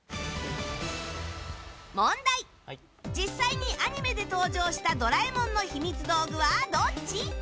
実際にアニメで登場した「ドラえもん」のひみつ道具はどっち？